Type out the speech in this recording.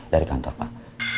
dari kantor pak